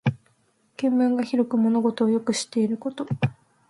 見聞が広く物事をよく知っていること。